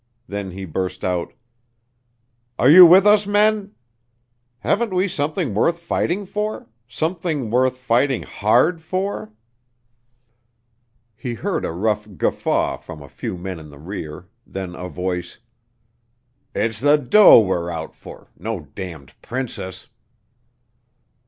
Then he burst out, "Are you with us, men? Haven't we something worth fighting for something worth fighting hard for?" He heard a rough guffaw from a few men in the rear; then a voice: "It's the dough we're out fer no damned princess."